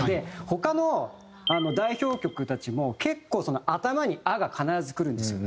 他の代表曲たちも結構頭に「あ」が必ずくるんですよ。